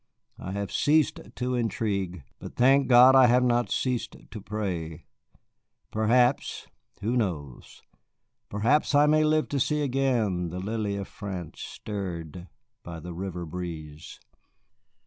I have ceased to intrigue, but thank God I have not ceased to pray. Perhaps who knows? perhaps I may live to see again the lily of France stirred by the river breeze."